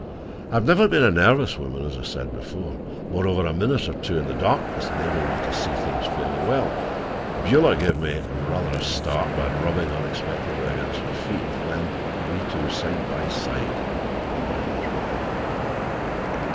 I have never been a nervous woman, as I said before. Moreover, a minute or two in the darkness enabled me to see things fairly well. Beulah gave me rather a start by rubbing unexpectedly against my feet; then we two, side by side, went down the drive.